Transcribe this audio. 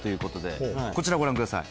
こちらご覧ください。